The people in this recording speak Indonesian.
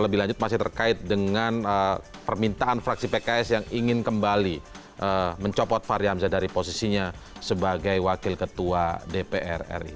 lebih lanjut masih terkait dengan permintaan fraksi pks yang ingin kembali mencopot fahri hamzah dari posisinya sebagai wakil ketua dpr ri